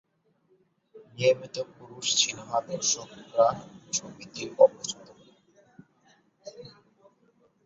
নিয়মিত পুরুষ সিনেমা দর্শকরা ছবিটিকে অপছন্দ করেন।